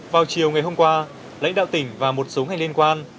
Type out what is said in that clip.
vào chiều ngày hôm qua lãnh đạo tỉnh và một số ngành liên quan